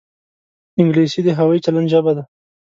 انګلیسي د هوايي چلند ژبه ده